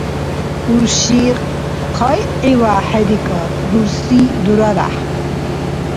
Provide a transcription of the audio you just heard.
Урши хъайгӀивяхӀ хӀерикӀар, рурси — дураряхӀ.